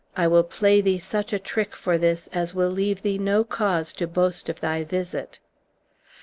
I will play thee such a trick for this, as will leave thee no cause to boast of thy visit."